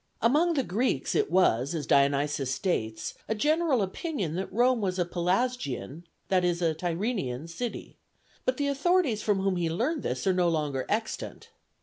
Among the Greeks it was, as Dionysius states, a general opinion that Rome was a Pelasgian, that is, a Tyrrhenian city, but the authorities from whom he learned this are no longer extant.